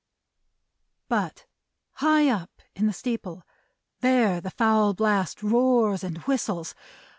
But, high up in the steeple! There the foul blast roars and whistles!